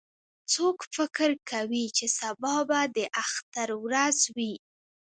څوک فکر کوي چې سبا به د اختر ورځ وي